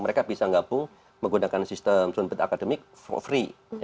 mereka bisa gabung menggunakan sistem dronebread academic for free